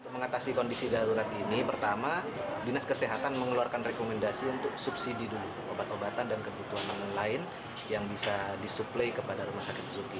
mengatasi kondisi darurat ini pertama dinas kesehatan mengeluarkan rekomendasi untuk subsidi dulu obat obatan dan kebutuhan lain yang bisa disuplai kepada rumah sakit zuki